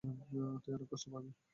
তুই অনেক কষ্ট পাবি।